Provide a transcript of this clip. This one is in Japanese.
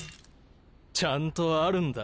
ちゃんとあるんだ